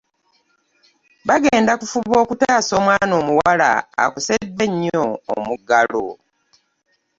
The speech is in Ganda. Bagenda kufuba okutaasa omwana omuwala akoseddwa ennyo omuggalo